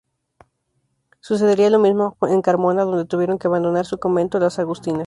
Sucedería lo mismo en Carmona donde tuvieron que abandonar su convento las Agustinas.